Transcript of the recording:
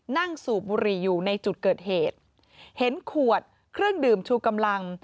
สูบบุหรี่อยู่ในจุดเกิดเหตุเห็นขวดเครื่องดื่มชูกำลัง